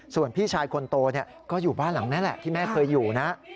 ส่วนพี่ชายคนโตก็อยู่บ้านหลังนั้นแหละที่แม่เคยอยู่นะ